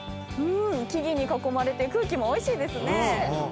うん木々に囲まれて空気もおいしいですね。